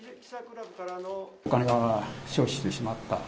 お金は消費してしまった、